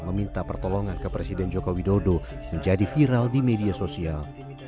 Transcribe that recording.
meminta pertolongan ke presiden joko widodo menjadi viral di media sosial